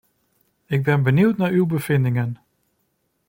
Ik ben benieuwd naar uw bevindingen.